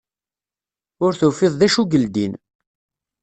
Ur tufiḍ d acu yeldin.